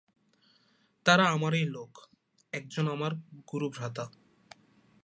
তারা আমারই লোক, একজন আমার গুরুভ্রাতা।